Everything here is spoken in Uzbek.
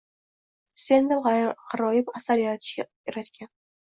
Stendal g’aroyib asar yaratishga yaratgan.